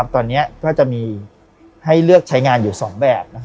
ตอนนี้ก็จะมีให้เลือกใช้งานอยู่๒แบบ